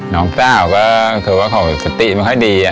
น้องต้าก็เขาก็สติไม่ค่อยดี